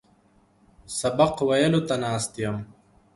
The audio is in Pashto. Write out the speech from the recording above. سبق ویلو ته ناست یم.